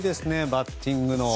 バッティングの。